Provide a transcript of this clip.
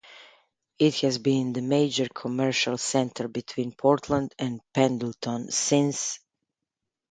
It has been the major commercial center between Portland and Pendleton since.